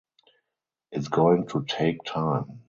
It’s going to take time.